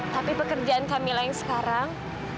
tapi pekerjaan kamilah yang sekarang